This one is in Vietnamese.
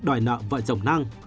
đòi nợ vợ chồng năng